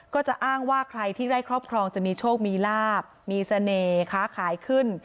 ก็จะอ้างว่าใครที่ได้ครอบครองจะมีโชคมีลาบมีเสน่ห์ค้าขายขึ้น